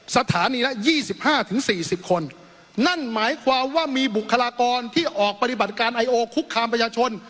สถานีละยี่สิบห้าถึงสี่สิบคนนั่นหมายความว่ามีบุคลากรที่ออกปฏิบัติการไอโอคุกคามประชาชน